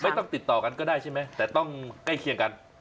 ติดต่อกันก็ได้ใช่ไหมแต่ต้องใกล้เคียงกัน